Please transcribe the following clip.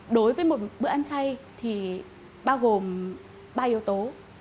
đối với một bữa ăn chay thì bao gồm ba yếu tố